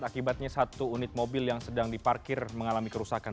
akibatnya satu unit mobil yang sedang diparkir mengalami kerusakan